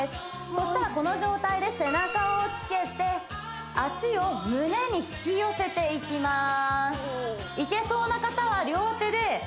そしたらこの状態で背中をつけて脚を胸に引き寄せていきます